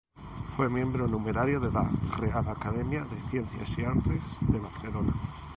Fue miembro numerario de la Real Academia de Ciencias y Artes de Barcelona.